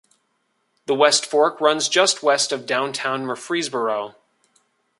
The West Fork runs just west of downtown Murfreesboro.